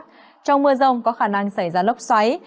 trong mưa rông có khả năng xảy ra lốc xoáy